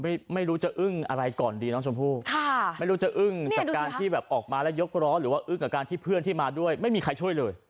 ไม่รู้จะอึ้งอะไรก่อนดีน้องชมพู่ค่ะไม่รู้จะอึ้งจากการที่แบบออกมาแล้วยกร้อนหรือว่าอึ้งกับการที่เพื่อนที่มาด้วยไม่มีใครช่วยเลย